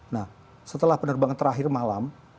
nah setelah penerbangan terakhir malam